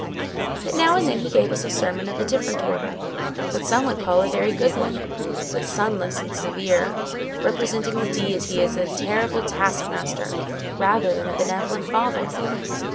But now and then he gave us a sermon of a different order—what some would call a very good one; but sunless and severe: representing the Deity as a terrible taskmaster rather than a benevolent father.